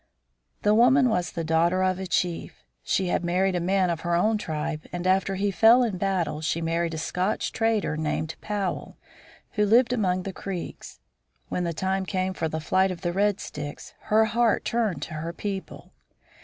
The woman was the daughter of a chief. She had married a man of her own tribe, but after he fell in battle she married a Scotch trader, named Powell, who lived among the Creeks. When the time came for the flight of the Red Sticks her heart turned to her people.